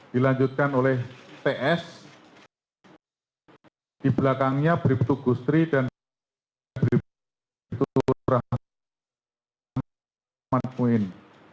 dilanjutkan oleh ts di belakangnya bribka gustri dan bribka tudur rahmat muin